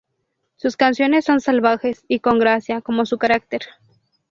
Sus canciones son salvajes y con gracia, como su carácter.